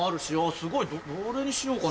すごいどれにしようかな？